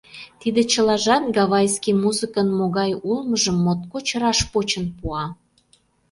Тиде чылажат гавайский музыкын могай улмыжым моткоч раш почын пуа...